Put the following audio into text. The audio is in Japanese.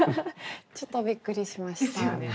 ちょっとびっくりしました。ですよね。